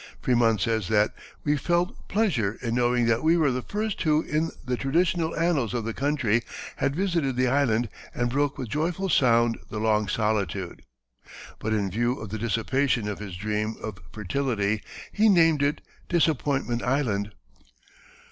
Frémont says that "we felt pleasure in knowing that we were the first who in the traditional annals of the country had visited the island and broke with joyful sounds the long solitude." But in view of the dissipation of his dream of fertility he named it Disappointment Island.